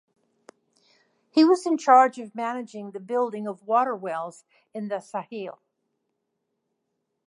He was in charge of managing the building of water wells in the Sahel.